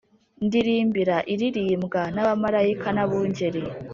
Ndirimbira iririmbwa n’abamarayika n’abungeri